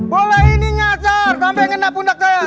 bola ini nyasar sampai ngenap undak saya